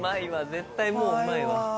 絶対もううまいわ。